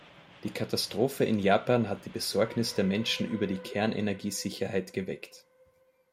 Die Katastrophe in Japan hat die Besorgnis der Menschen über die Kernenergiesicherheit geweckt.